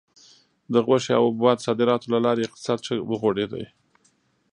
د غوښې او حبوباتو صادراتو له لارې اقتصاد ښه وغوړېد.